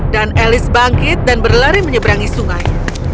dan alice bangkit dan berlari menyeberangi sungai